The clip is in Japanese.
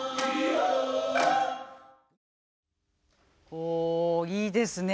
ほういいですね。